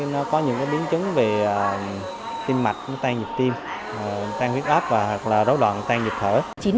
nó có những biến chứng về tim mạch tan nhịp tim tan huyết áp hoặc là râu đoạn tan nhịp thở